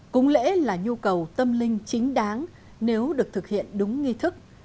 cúng lễ là nhu cầu tâm linh chính đáng nếu được thực hiện đúng nghi thức